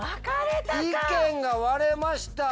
意見が割れました。